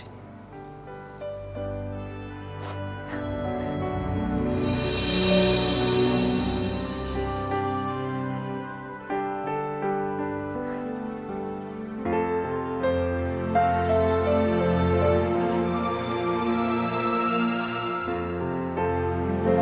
insya allah kami semua kuat yang ada disini